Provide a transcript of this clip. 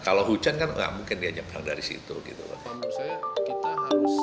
kalau hujan kan nggak mungkin dia jembatan dari situ gitu loh